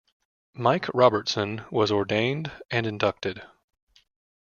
Mike Robertson, was ordained and inducted.